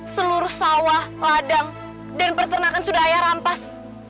seluruh sawah ladang dan pertanakan sudah ayah rampas